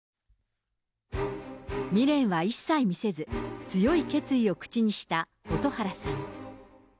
未練は一切見せず、強い決意を口にした蛍原さん。